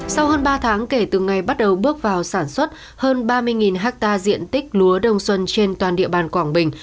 sau hơn ba tháng kể từ ngày bắt đầu bước vào sản xuất hơn ba mươi hectare diện tích lúa đông xuân trên toàn địa bàn quảng bình